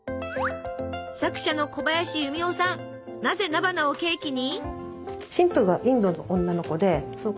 なぜ菜花をケーキに？